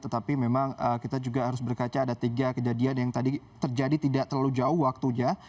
tetapi memang kita juga harus berkaca ada tiga kejadian yang tadi terjadi tidak terlalu jauh waktunya